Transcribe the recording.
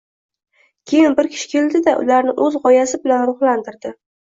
Keyin bir kishi keldida, ularni o‘z g‘oyasi bilan ruhlantirdi.